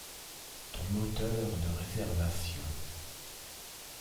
Ton moteur de réservations.